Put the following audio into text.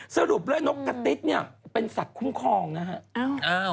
สรุปแล้วนกกระติ๊ดเนี่ยเป็นสัตว์คุ้มครองนะฮะ